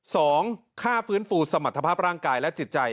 สองค่าฟื้นฟูสมรรถภาพร่างกายและจิตใจ